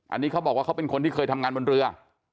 อันนี้เขาบอกว่าเขาเป็นคนที่เคยทำงานบนเรือ